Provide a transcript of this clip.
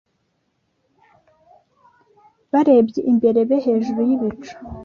Barebye imbere be hejuru yibicu